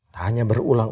tidak hanya berulang